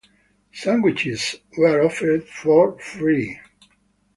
Sandwiches were offered for free.